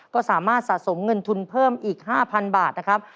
ก็สามารถสะสมเงินทุนเพิ่มอีก๕๐๐บาทนะครับ